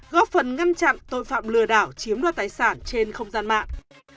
góp phần ngăn chặn tội phạm lừa đảo chiếm đoạt tài sản trên không gian mạng